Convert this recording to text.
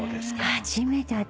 初めて私。